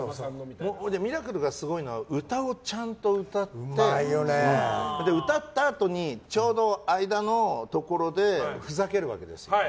ミラクルがすごいのは歌をちゃんと歌って歌ったあとに間のところでふざけるわけですよ。